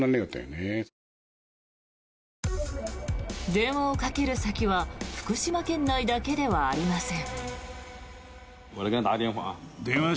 電話をかける先は福島県内だけではありません。